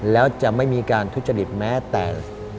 แล้วจะไม่มีการทุจริตแม้แต่